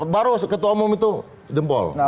baru ketua umum itu jempol